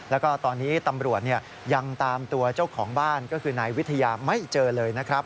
แล้วก็ตอนนี้ตำรวจยังตามตัวเจ้าของบ้านก็คือนายวิทยาไม่เจอเลยนะครับ